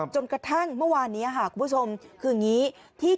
จนกระทั่งเมื่อวานนี้ค่ะคุณผู้ชมคืออย่างนี้